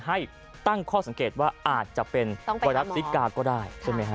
ให้ตั้งข้อสังเกตว่าอาจจะเป็นกรัปติ๊กกาก็ได้